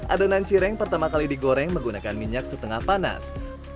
adonan cireng pertama kali digoreng menggunakan minyak setengah panas